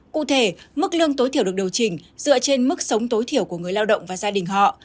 cụ thể mức lương tối thiểu được điều chỉnh dựa trên mức sống tối thiểu của người lao động và gia đình họ